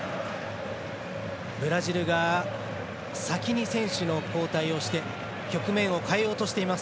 ブラジルが先に選手の交代をして局面を変えようとしています。